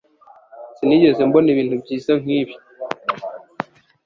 Sinigeze mbona ibintu byiza nkibi.